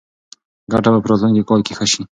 ګټه به په راتلونکي کال کې ښه شي.